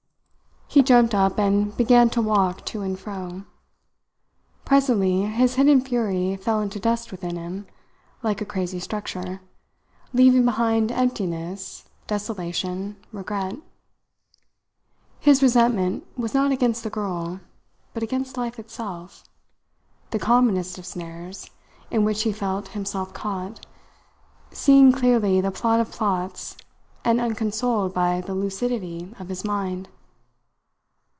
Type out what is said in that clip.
He jumped up and began to walk to and fro. Presently his hidden fury fell into dust within him, like a crazy structure, leaving behind emptiness, desolation, regret. His resentment was not against the girl, but against life itself that commonest of snares, in which he felt himself caught, seeing clearly the plot of plots and unconsoled by the lucidity of his mind.